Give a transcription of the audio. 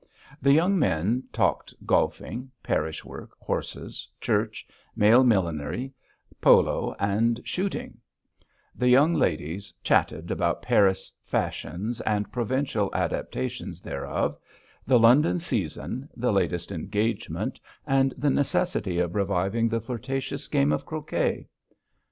The young men talked golfing, parish work, horses, church, male millinery, polo and shooting; the young ladies chatted about Paris fashions and provincial adaptations thereof, the London season, the latest engagement, and the necessity of reviving the flirtatious game of croquet.